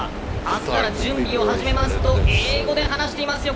明日から準備を始めますと英語で話していますよ